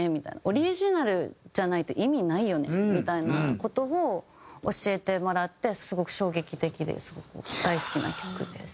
オリジナルじゃないと意味ないよねみたいな事を教えてもらってすごく衝撃的ですごく大好きな曲です。